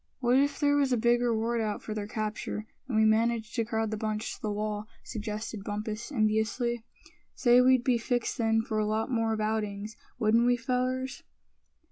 "What if there was a big reward out for their capture, and we managed to crowd the bunch to the wall?" suggested Bumpus, enviously. "Say, we'd be fixed then for a lot more of outings, wouldn't we, fellers?"